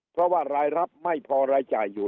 เพราะว่ารายรับไม่พอรายจ่ายอยู่